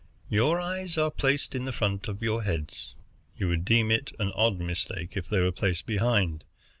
Your eyes are placed in the front of your heads. You would deem it an odd mistake if they were placed behind.